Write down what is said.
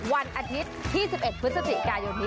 วันอาทิตย์๒๑พฤศจิกายน